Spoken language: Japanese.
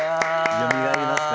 よみがえりました？